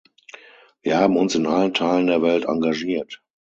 Wir haben uns in allen Teilen der Welt engagiert.